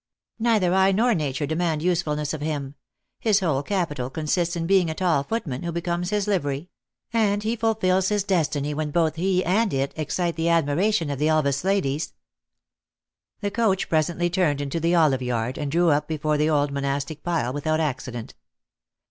" Neither I nor nature demand usefulness of him. His whole capital consists in being a tall footman, who becomes his livery ; and he fulfills his destiny when both he and it excite the admiration of the El vas ladies." The coach presently turned into the olive yard, and drew up before the old monastic pile without accident.